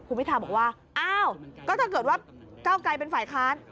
คุณพิทาบอกว่าอ้าวก็ถ้าเกิดว่าก้าวไกลเป็นฝ่ายค้าน